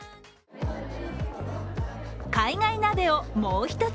海外鍋をもう一つ。